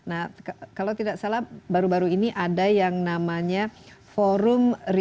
nah kalau tidak salah baru baru ini ada yang berbicara tentang pandemi ini